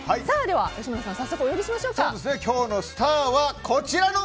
吉村さん、早速お呼びしましょうか。